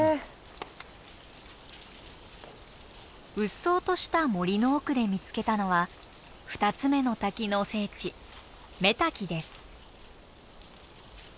鬱蒼とした森の奥で見つけたのは２つ目の滝の聖地女瀧です。